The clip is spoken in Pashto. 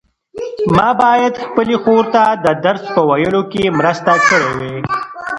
ما باید خپلې خور ته د درس په ویلو کې مرسته کړې وای.